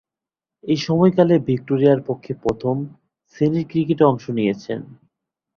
এ সময়কালে ভিক্টোরিয়ার পক্ষে প্রথম-শ্রেণীর ক্রিকেটে অংশ নিয়েছেন।